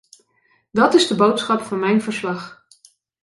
Dat is de boodschap van mijn verslag.